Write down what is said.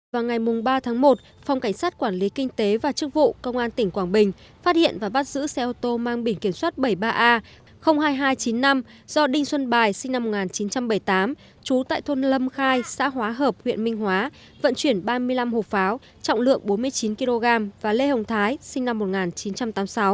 vào ngày ba tháng một phòng cảnh sát quản lý kinh tế và chức vụ công an tỉnh quảng bình phát hiện và bắt giữ xe ô tô mang bình kiểm soát bảy mươi ba a hai nghìn hai trăm chín mươi năm do đinh xuân bài sinh năm một nghìn chín trăm bảy mươi tám chú tại thôn lâm khai xã hóa hợp huyện minh hóa vận chuyển ba mươi năm hộp pháo trọng lượng bốn mươi chín kg và lê hồng thái sinh năm một nghìn chín trăm tám mươi sáu